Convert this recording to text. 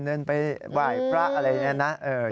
เดินไปบ่ายประอะไรอย่างนี้นะ